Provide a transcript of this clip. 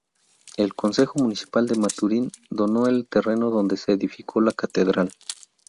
El Concejo Municipal de Maturín donó el terreno donde se edificó la catedral.